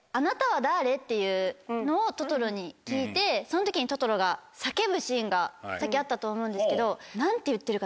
っていうのをトトロに聞いてその時にトトロが叫ぶシーンがさっきあったと思うんですけど。